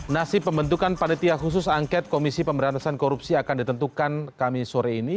nasib pembentukan panitia khusus angket komisi pemberantasan korupsi akan ditentukan kami sore ini